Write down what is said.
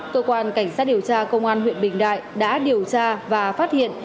cơ quan cảnh sát điều tra công an huyện bình đại đã điều tra và phát hiện